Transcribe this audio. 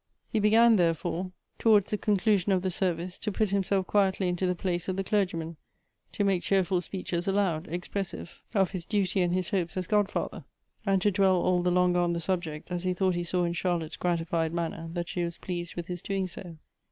He began therefore towards the 234 Goethe's conclusion of the service, to put himself quietly into the place of the clergyman ; to make cheerful speeches aloud, expressive of his duty and his hopes as godfather, and to dwell all the longer on the subject, as he thought he saw in Charlotte's gratified manner that she was pleased with his doing so.